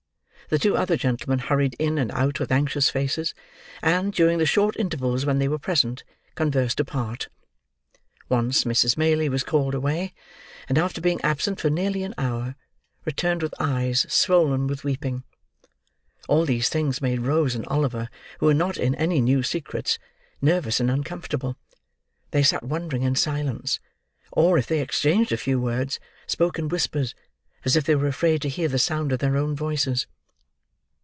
The two other gentlemen hurried in and out with anxious faces, and, during the short intervals when they were present, conversed apart. Once, Mrs. Maylie was called away, and after being absent for nearly an hour, returned with eyes swollen with weeping. All these things made Rose and Oliver, who were not in any new secrets, nervous and uncomfortable. They sat wondering, in silence; or, if they exchanged a few words, spoke in whispers, as if they were afraid to hear the sound of their own voices.